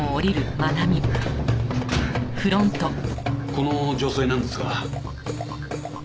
この女性なんですが。